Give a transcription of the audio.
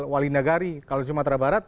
wali negari kalau di sumatera barat